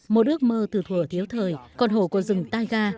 một ước mơ từ thủa thiếu thời con hổ của rừng taiga